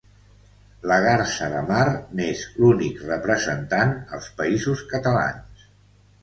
La garsa de mar n'és l'únic representant als Països Catalans.